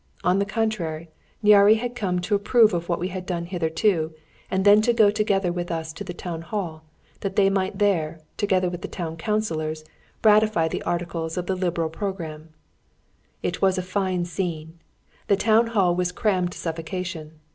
On the contrary, Nyáry had come to approve of what we had done hitherto, and then to go together with us to the town hall, that they might there, together with the town councillors, ratify the Articles of the liberal programme. It was a fine scene. The town hall was crammed to suffocation.